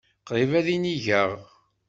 Qrib ad inigeɣ.